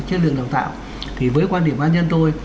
chất lượng đào tạo thì với quan điểm cá nhân tôi